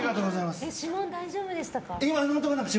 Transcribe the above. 指紋大丈夫でしたか。